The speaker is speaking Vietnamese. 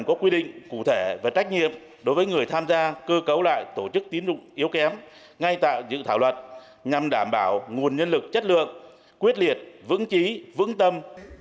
có quy định cụ thể và trách nhiệm đối với người tham gia cơ cấu lại tổ chức tín dụng yếu kém ngay tại dự thảo luật nhằm đảm bảo nguồn nhân lực chất lượng quyết liệt vững chí vững tâm